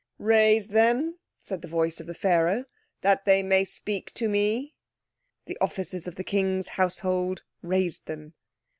"Raise them," said the voice of Pharaoh, "that they may speak to me." The officers of the King's household raised them.